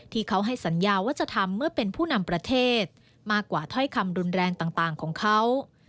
ที่เขาให้สัญญาว่าจะทำเมื่อเป็นผู้นำประเทศมากกว่าถ้อยคำรุนแรงต่างของเขา